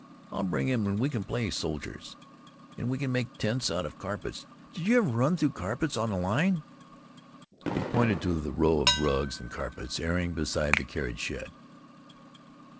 I'll bring him and we can play soldiers. And we can make tents out of carpets. Did you ever run through carpets on the line?" He pointed to the row of rugs and carpets airing beside the carriage shed.